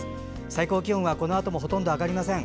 最高気温はこのあともほとんど上がりません。